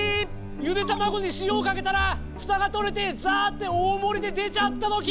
ゆで卵に塩をかけたらふたが取れてザーッて大盛りで出ちゃったときー！